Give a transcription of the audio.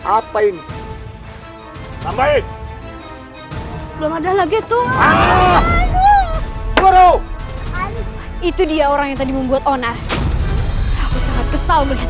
apa ini sampai belum ada lagi tuh itu dia orang yang tadi membuat onar kesal melihat